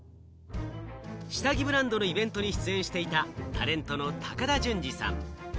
下着ブランドのイベントに出演していたタレントの高田純次さん。